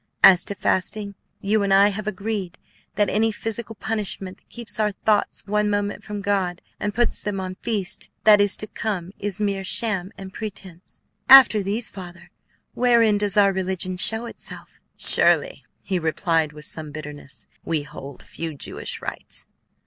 As to fasting, you and I have agreed that any physical punishment that keeps our thoughts one moment from God, and puts them on the feast that is to come, is mere sham and pretence. After these, Father, wherein does our religion show itself?" "Surely," he replied with some bitterness, "we hold few Jewish rites.